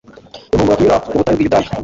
yagombaga kunyura mu butayu bw'i Yudaya.